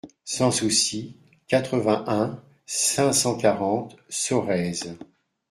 Sans Souci, quatre-vingt-un, cinq cent quarante Sorèze